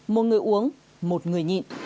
một người uống một người nhịn